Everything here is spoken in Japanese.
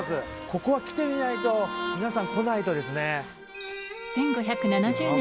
ここは来てみないと皆さん来ないとですね。